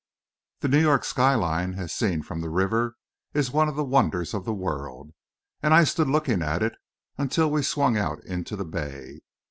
The New York sky line, as seen from the river, is one of the wonders of the world, and I stood looking at it until we swung out into the bay.